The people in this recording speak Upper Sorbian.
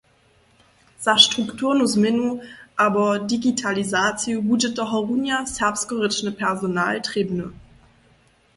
Za strukturnu změnu abo digitalizaciju budźe tohorunja serbskorěčny personal trěbny.